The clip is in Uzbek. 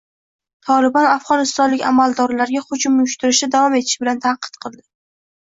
“Tolibon” afg‘onistonlik amaldorlarga hujum uyushtirishda davom etishi bilan tahdid qildi